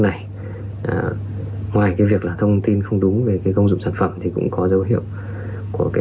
này ngoài cái việc là thông tin không đúng về cái công dụng sản phẩm thì cũng có dấu hiệu của cái